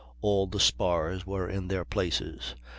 All the spars were in their places.